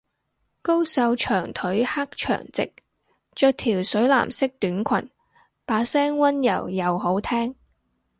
高瘦長腿黑長直，着條水藍色短裙，把聲溫柔又好聽